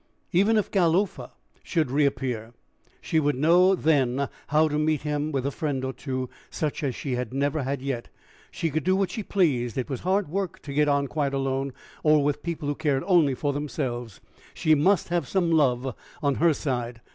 Even if Galofta should reappear, she would know then how to meet him: with a friend or two, such as she had never had yet, she could do what she pleased! It was hard work to get on quite alone or with people who cared only for themselves! She must have some love on her side!